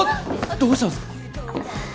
どうしたんですか！？